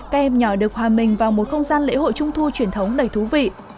các em nhỏ được hòa mình vào một không gian lễ hội trung thu truyền thống đầy thú vị